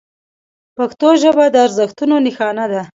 پښتو ژبه د ارزښتونو نښانه ده.